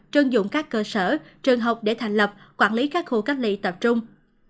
trân dụng các cơ sở trường học để thành lập quản lý các khu cách ly tập trung